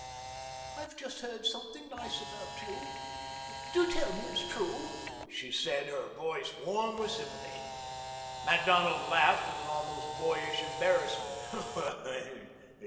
"I've just heard something nice about you. Do tell me it's true," she said, her voice warm with sympathy. Macdonald laughed with an almost boyish embarrassment.